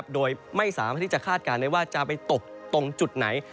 โดยไม่สามารถที่จะคาดการณ์ได้ว่าจะไปตกตรงจุดไหน